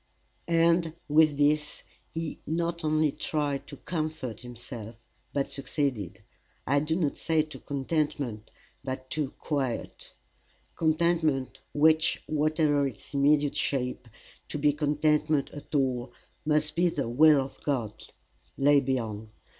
And with this he not only tried to comfort himself, but succeeded I do not say to contentment, but to quiet. Contentment, which, whatever its immediate shape, to be contentment at all, must be the will of God, lay beyond.